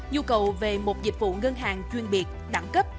nhu cầu về một dịch vụ ngân hàng chuyên biệt đẳng cấp